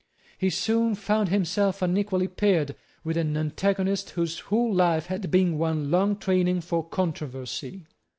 He soon found himself unequally paired with an antagonist whose whole life had been one long training for controversy.